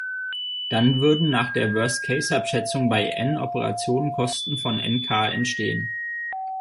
Dann würden nach der Worst-Case-Abschätzung bei "n" Operationen Kosten von "nk" entstehen.